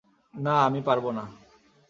না, আমি পারব না।